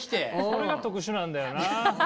それが特殊なんだよな。